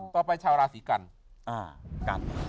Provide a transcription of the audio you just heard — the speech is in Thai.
ต่อไปชาวราศีกัณฑ์